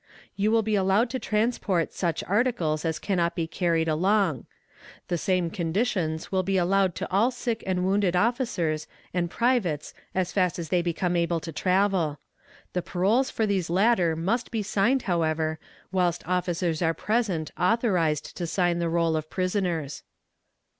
You will be allowed to transport such articles as cannot be carried along. The same conditions will be allowed to all sick and wounded officers and privates as fast as they become able to travel. The paroles for these latter must be signed, however, whilst officers are present authorized to sign the roll of prisoners.